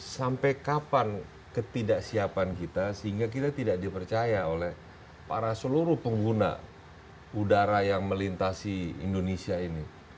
sampai kapan ketidaksiapan kita sehingga kita tidak dipercaya oleh para seluruh pengguna udara yang melintasi indonesia ini